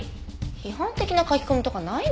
批判的な書き込みとかないの？